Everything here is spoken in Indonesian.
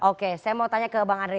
oke saya mau tanya ke bang andre